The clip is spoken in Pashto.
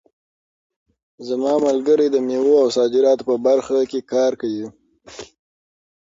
زما ملګری د مېوو د صادراتو په برخه کې کار کوي.